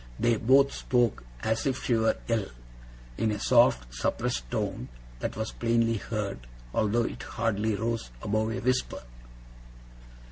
They both spoke as if she were ill; in a soft, suppressed tone that was plainly heard, although it hardly rose above a whisper.